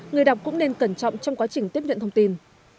người đọc cũng nên cẩn trọng trong quá trình tiếp nhận thông tin